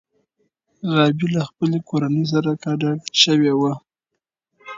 غابي له خپلې کورنۍ سره کډه شوې وه.